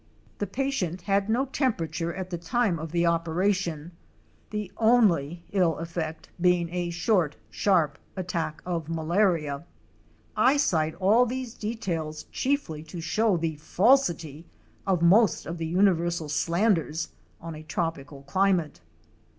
The patient had no temperature at the time of the operation, the only ill effect being a short, sharp attack of malaria. I cite all these details chiefly to show the falsity of most of the universal slanders on a tropical climate.